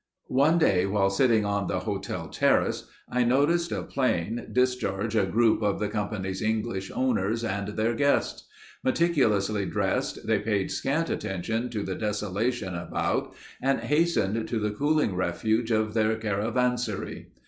One day while sitting on the hotel terrace, I noticed a plane discharge a group of the Company's English owners and their guests. Meticulously dressed, they paid scant attention to the desolation about and hastened to the cooling refuge of their caravansary.